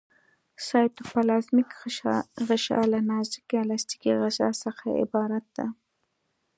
سایټوپلازمیک غشا له نازکې الستیکي غشا څخه عبارت ده.